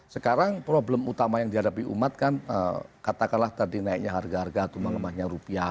sekarang problem utama yang dihadapi umat kan katakanlah tadi naiknya harga harga